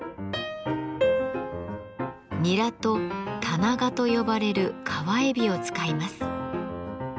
ニラとタナガと呼ばれる川エビを使います。